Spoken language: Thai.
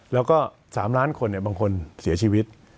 แล้วก็๓ล้านคนบางคนเสียชีวิต